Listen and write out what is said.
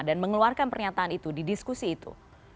dan mengeluarkan pernyataan itu di diskusi itu